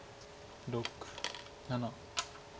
６７。